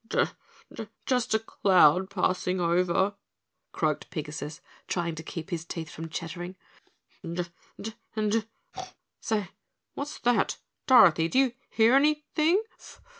"J j j just a cloud passing over," croaked Pigasus, trying to keep his teeth from chattering. "J j j j j j say, what's that? Dorothy, do you hear anything?